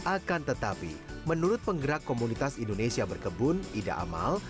akan tetapi menurut penggerak komunitas indonesia berkebun ida amal